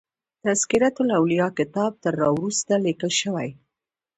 تذکرة الاولیاء کتاب تر را وروسته لیکل شوی.